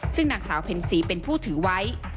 ซึ่งนางสาวเพ็ญศรีเป็นผู้ถือไว้